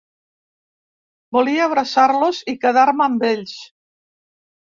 Volia abraçar-los i quedar-me amb ells.